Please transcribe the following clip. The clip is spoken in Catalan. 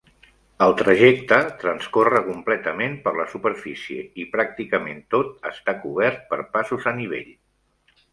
El trajecte transcorre completament per la superfície i pràcticament tot està cobert per passos a nivell.